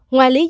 ngoài lý do